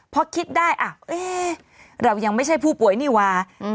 พอคิดได้เรายังไม่ใช่ผู้ป่วยนี่ว่า